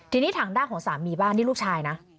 ทีนี้ทางด้านของสามีบ้านนี่ลูกชายนะ